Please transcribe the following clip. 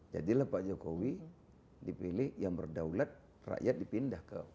jadilah pak jokowi dipilih yang berdaulat rakyat dipindah ke